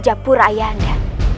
sejak pura ayande